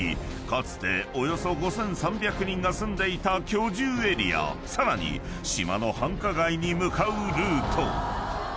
かつておよそ５，３００人が住んでいた居住エリアさらに島の繁華街に向かうルート］